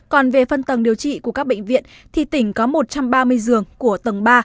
còn về phân tầng điều trị của các bệnh viện thì tỉnh có một trăm ba mươi giường của tầng ba